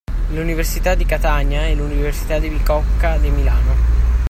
L’Università di Catania e L’Università Bicocca di Milano.